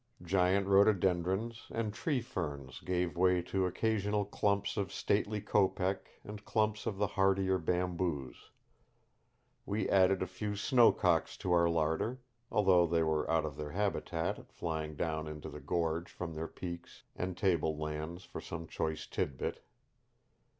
Giant rhododendrons and tree ferns gave way to occasional clumps of stately kopek and clumps of the hardier bamboos. We added a few snow cocks to our larder although they were out of their habitat, flying down into the gorge from their peaks and table lands for some choice tidbit.